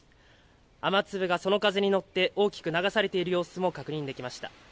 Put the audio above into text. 雨粒がその風に乗って大きく流されている様子も確認できました。